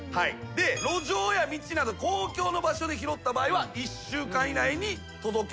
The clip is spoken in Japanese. で路上や道など公共の場所で拾った場合は１週間以内に届けないといけません。